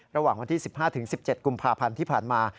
ระหว่างวันที่๑๕๑๗กุมภาพันธ์ที่ผ่านมา